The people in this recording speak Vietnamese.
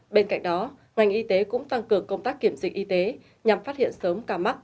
bên cạnh đó ngành y tế cũng tăng cường công tác kiểm dịch y tế nhằm phát hiện sớm ca mắc